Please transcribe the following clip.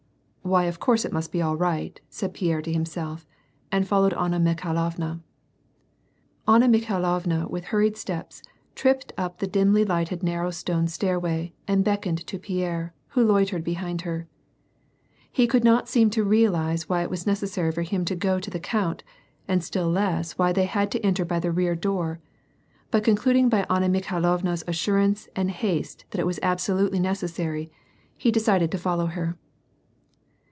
"Why of course it must be all right," said ©Pierre to himself, and followed Anna Mikhailovna. Anna Mikhailovna with hurried steps tripped up the dimly hghted narrow stone stairway, and beckoned to Pierre, who loitered behind her. He could not seem to realize why it was necessary for him to go to the count, and still less why they had to enter by the rear door, but concluding by Anna Mikhai lovna's assurance and haste th<at it was absolutely necessary, he decided to follow her.